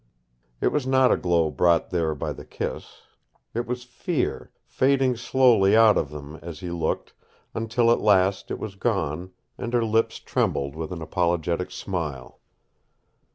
It was not a glow brought there by the kiss. It was fear, fading slowly out of them as he looked, until at last it was gone, and her lips trembled with an apologetic smile.